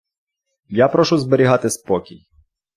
Я прошу зберігати спокій!